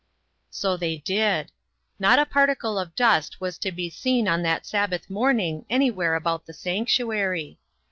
So they did. Not a particle of dust was to be seen on that Sabbath morning anywhere about the sanctuary.